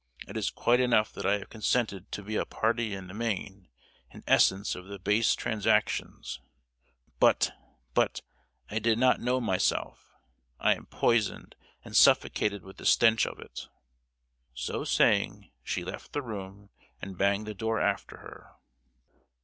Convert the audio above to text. It is quite enough that I have consented to be a party in the main and essence of the base transactions; but—but—I did not know myself, I am poisoned and suffocated with the stench of it!"—So saying, she left the room and banged the door after her.